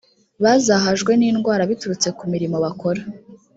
bazahajwe n’ indwara biturutse ku mirimo bakora